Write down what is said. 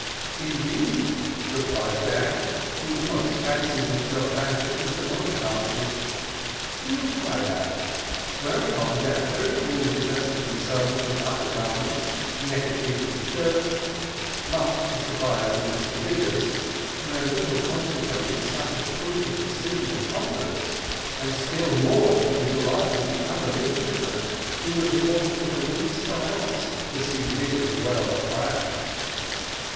"Indeed," replied Jack, who almost fancied himself back at Mr Bonnycastle's; "we'll try that." Whereupon Jack very coolly divested himself of his upper garments, neckerchief, and shirt, much to the surprise of Mr Vigors, who little contemplated such a proof of decision and confidence, and still more to the delight of the other midshipmen, who would have forfeited a week's allowance to see Vigors well thrashed.